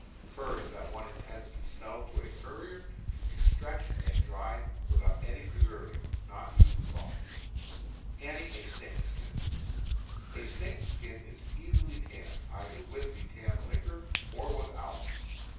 Furs that one intends to sell to a furrier should be stretched and dried without any preservative, not even salt. A snake's skin is easily tanned, either with the tan liquor or with alum.